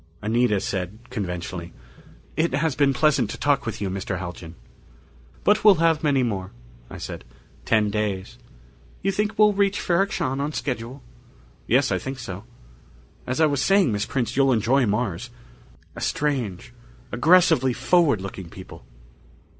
Anita said conventionally, "It has been pleasant to talk with you, Mr. Haljan." "But we'll have many more," I said. "Ten days " "You think we'll reach Ferrok Shahn on schedule?" "Yes. I think so.... As I was saying, Miss Prince, you'll enjoy Mars. A strange, aggressively forward looking people."